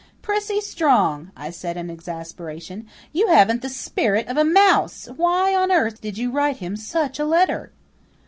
"Prissy Strong," I said in exasperation, "you haven't the spirit of a mouse! Why on earth did you write him such a letter?"